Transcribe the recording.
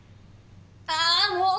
ああもう！